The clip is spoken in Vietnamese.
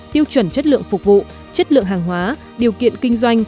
tiêu chuẩn chất lượng phục vụ chất lượng hàng hóa điều kiện kinh doanh